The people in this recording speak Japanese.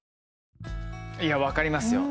いや、分かりますよ。